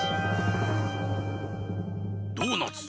⁉ドーナツ。